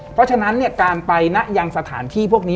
เพราะฉะนั้นการไปนะยังสถานที่พวกนี้